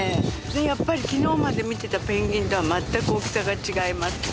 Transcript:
やっぱり昨日まで見てたペンギンとは全く大きさが違いますね